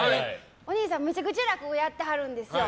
お兄さん、むちゃくちゃ落語やってはるんですよ。